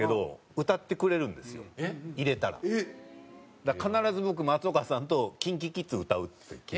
だから必ず僕松岡さんとＫｉｎＫｉＫｉｄｓ歌うって。